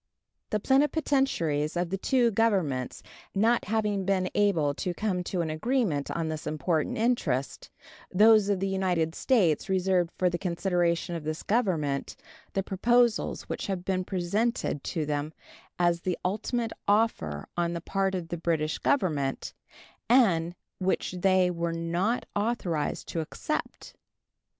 The plenipotentiaries of the two Governments not having been able to come to an agreement on this important interest, those of the United States reserved for the consideration of this Government the proposals which had been presented to them as the ultimate offer on the part of the British Government, and which they were not authorized to accept.